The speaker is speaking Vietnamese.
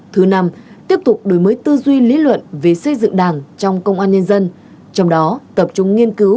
thứ năm tiếp tục đổi mới tư duy lý luận về xây dựng đảng trong công an nhân dân